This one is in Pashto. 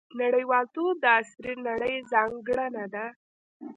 • نړیوالتوب د عصري نړۍ ځانګړنه ده.